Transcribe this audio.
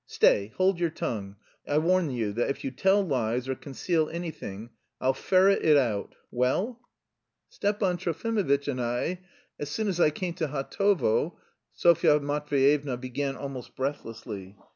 "Stay, hold your tongue! I warn you that if you tell lies or conceal anything, I'll ferret it out. Well?" "Stepan Trofimovitch and I... as soon as I came to Hatovo..." Sofya Matveyevna began almost breathlessly.